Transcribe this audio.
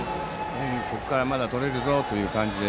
ここからまだ取れるぞという感じで。